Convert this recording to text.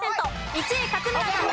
１位勝村さん